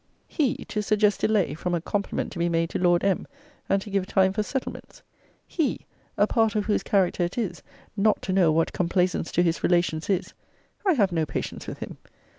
He, to suggest delay from a compliment to be made to Lord M. and to give time for settlements! He, a part of whose character it is, not to know what complaisance to his relations is I have no patience with him!